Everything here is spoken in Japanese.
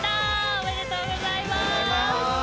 おめでとうございます。